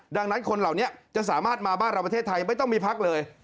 ดังนั้นคนเหล่านี้จะสามารถมาบ้านเราประเทศไทยไม่ต้องมีพักเลย